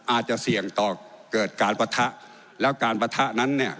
อาจจะเสี่ยงต่อเกิดการปะทะแล้วการปะทะนั้นเนี่ย